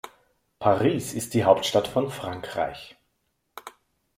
Paris ist die Hauptstadt von Frankreich.